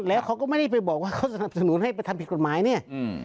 แล้วเขาก็ไม่ได้ไปบอกว่าเขาสนับสนุนให้ไปทำผิดกฎหมายเนี่ยอืม